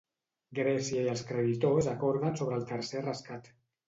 Grècia i els creditors acorden sobre el tercer rescat.